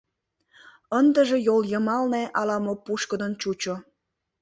Ындыже йол йымалне ала-мо пушкыдын чучо.